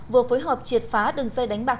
vừa phối hợp triệt phá đường dây đánh bạc